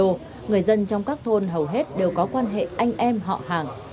với đặc điểm một xã vendo người dân trong các thôn hầu hết đều có quan hệ anh em họ hàng